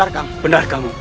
aku tak di atas